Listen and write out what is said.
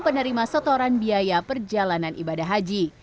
penerima setoran biaya perjalanan ibadah haji